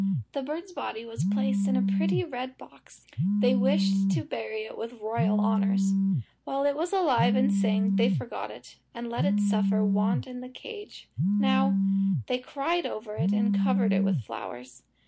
The bird's body was placed in a pretty red box; they wished to bury it with royal honours. While it was alive and sang they forgot it, and let it suffer want in the cage; now, they cried over it and covered it with flowers.